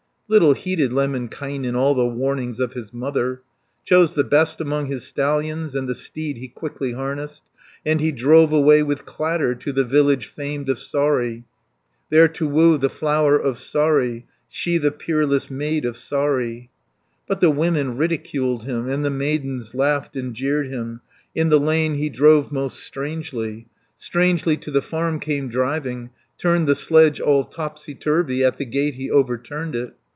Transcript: Little heeded Lemminkainen All the warnings of his mother; Chose the best among his stallions. And the steed he quickly harnessed, And he drove away with clatter, To the village famed of Saari, There to woo the Flower of Saari, She, the peerless maid of Saari. 110 But the women ridiculed him, And the maidens laughed and jeered him. In the lane he drove most strangely, Strangely to the farm came driving, Turned the sledge all topsy turvy, At the gate he overturned it.